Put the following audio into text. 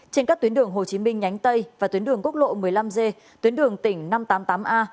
trên các tuyến đường hồ chí minh nhánh tây và tuyến đường quốc lộ một mươi năm g tuyến đường tỉnh năm trăm tám mươi tám a